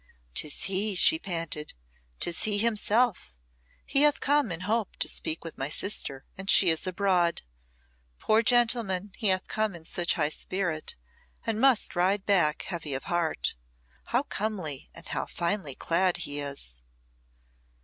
"'Tis he!" she panted; "'tis he himself! He hath come in hope to speak with my sister, and she is abroad. Poor gentleman, he hath come in such high spirit, and must ride back heavy of heart. How comely, and how finely clad he is!"